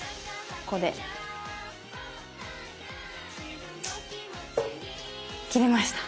ここで切れました。